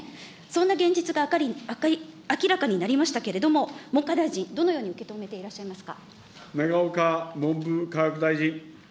そんな現実が明らかになりましたけれども、文科大臣、どのように受け止めていらっしゃいますか。